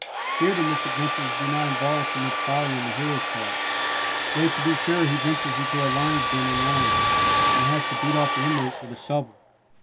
Here the misadventures do not involve so much folly on the hero's part—though, to be sure, he ventures into a lion's den unarmed, and has to beat off the inmates with a shovel.